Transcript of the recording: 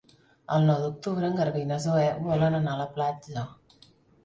El nou d'octubre en Garbí i na Zoè volen anar a la platja.